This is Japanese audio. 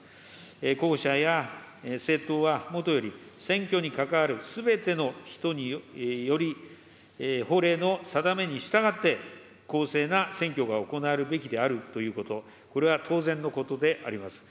候補者や政党はもとより、選挙に関わるすべての人により、法令の定めに従って公正な選挙が行われるべきであるということ、これは当然のことであります。